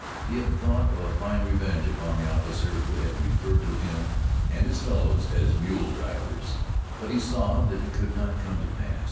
He had thought of a fine revenge upon the officer who had referred to him and his fellows as mule drivers. But he saw that it could not come to pass.